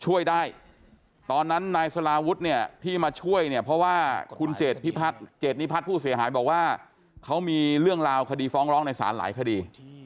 ช่วยได้ตอนนั้นนายสลาวุฒิเนี่ยที่มาช่วยเนี่ยเพราะว่าคุณเจดนิพัฒน์ผู้เสียหายบอกว่าเขามีเรื่องราวคดีฟ้องร้องในศาลหลายคดี